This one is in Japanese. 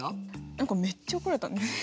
何かめっちゃ怒られたんだよね。